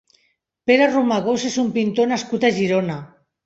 Pere Romagós és un pintor nascut a Girona.